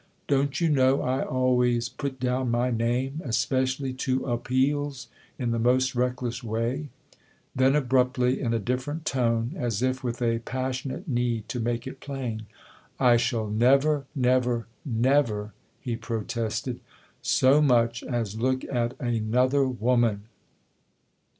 " Don't you know I always 'put down my name' especially to 1 appeals ' in the most reckless way ?" Then abruptly, in a different tone, as if with a pas sionate need to make it plain, " I shall never, never, never," he protested, " so much as look at another woman